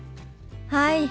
はい。